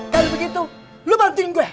kalau begitu lu bantuin gue